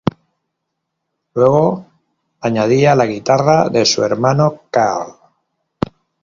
Luego añadía la guitarra de su hermano Carl.